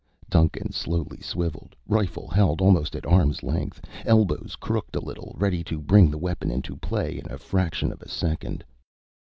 Duncan slowly swiveled, rifle held almost at arm's length, elbows crooked a little, ready to bring the weapon into play in a fraction of a second.